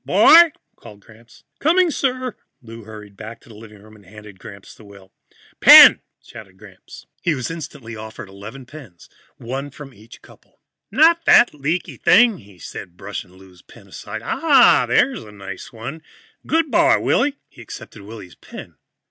"Boy!" called Gramps. "Coming, sir." Lou hurried back into the living room and handed Gramps the will. "Pen!" said Gramps. He was instantly offered eleven pens, one from each couple. "Not that leaky thing," he said, brushing Lou's pen aside. "Ah, there's a nice one. Good boy, Willy." He accepted Willy's pen.